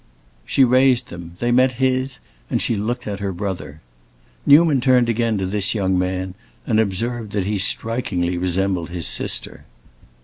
She raised them, they met his, and she looked at her brother. Newman turned again to this young man and observed that he strikingly resembled his sister.